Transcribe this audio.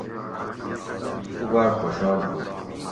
نیکو بار خوشحال ہوُ